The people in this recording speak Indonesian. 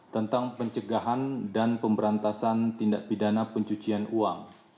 tentang pencegahan dan pemberantasan tindak pidana pencucian uang